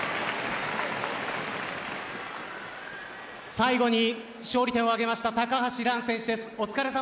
最後に勝利点を挙げました高橋藍選手です。